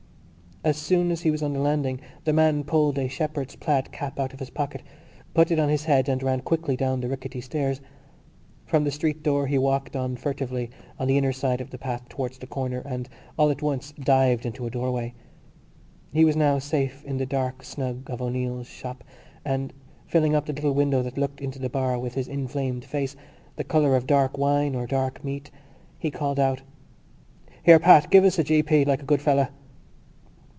As soon as he was on the landing the man pulled a shepherd's plaid cap out of his pocket, put it on his head and ran quickly down the rickety stairs. From the street door he walked on furtively on the inner side of the path towards the corner and all at once dived into a doorway. He was now safe in the dark snug of O'Neill's shop, and filling up the little window that looked into the bar with his inflamed face, the colour of dark wine or dark meat, he called out: "Here, Pat, give us a g.p., like a good fellow."